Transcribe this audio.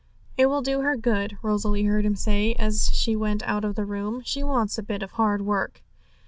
'It will do her good,' Rosalie heard him say, as she went out of the room; 'she wants a bit of hard work.'